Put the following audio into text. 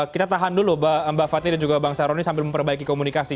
kita tahan dulu mbak fani dan juga bang saroni sambil memperbaiki komunikasi